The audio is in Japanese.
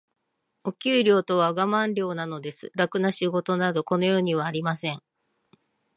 お給料とはガマン料なのです。楽な仕事など、この世にはありません。